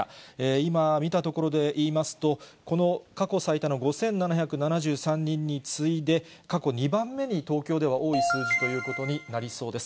今見たところでいいますと、この過去最多の５７７３人に次いで、過去２番目に東京では多い数字ということになりそうです。